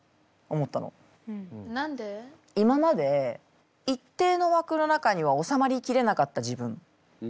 今まで一定のわくの中には収まりきれなかった自分。